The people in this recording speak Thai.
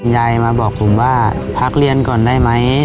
ยายมาบอกผมว่าพักเรียนก่อนได้ไหม